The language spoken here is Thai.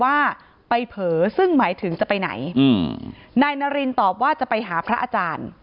ว่าไปเผลอซึ่งหมายถึงจะไปไหนอืมนายนารินตอบว่าจะไปหาพระอาจารย์